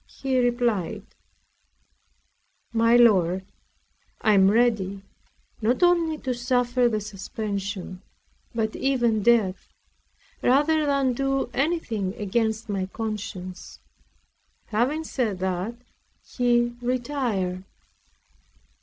He replied: "My lord, I am ready, not only to suffer the suspension, but even death, rather than do anything against my conscience." Having said that, he retired.